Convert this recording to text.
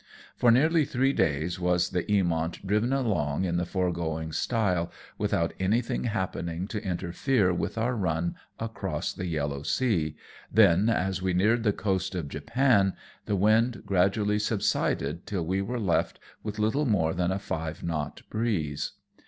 For nearly three days was the Eamonf driven along in the foregoing style, without anything happening to interfere with our run across fhe Yellow Sea, then, as we neared the coast of Japan, the wind gradually sub sided till we were left with little more than a five knot breeze.